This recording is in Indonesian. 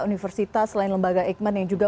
universitas selain lembaga eijkman yang juga